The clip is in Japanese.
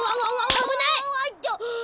あぶない！